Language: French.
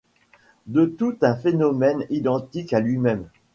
De tout un phénomène, identique à lui-même